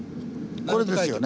これですよね。